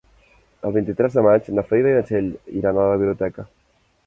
El vint-i-tres de maig na Frida i na Txell iran a la biblioteca.